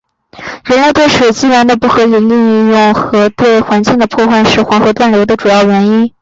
人类对水资源的不合理利用和对环境的破坏是黄河断流的主要原因。